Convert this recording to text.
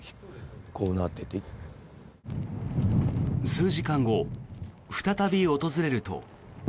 数時間後、再び訪れると。